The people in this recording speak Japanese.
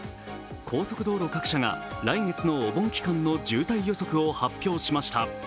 高速道路各社が来月のお盆期間の渋滞予測を発表しました。